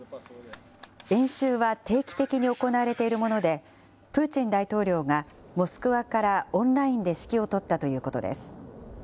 演習は定期的に行われているもので、プーチン大統領がモスクワからオンラインで指揮を執ったということです。